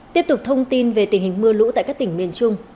tiếp tục thông tin về tình hình mưa lũ tại các tỉnh miền trung